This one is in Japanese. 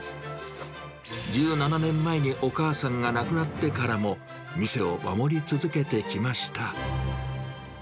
１７年前にお母さんが亡くなってからも店を守り続けてきました。